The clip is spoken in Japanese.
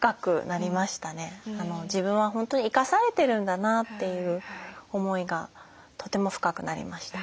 自分は本当に生かされてるんだなという思いがとても深くなりました。